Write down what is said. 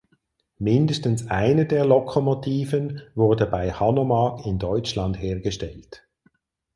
Mindestens eine der Lokomotiven wurde bei Hanomag in Deutschland hergestellt.